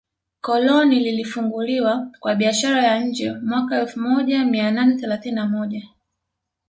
Koloni lilifunguliwa kwa biashara ya nje mwaka elfu moja mia nane thelathini na moja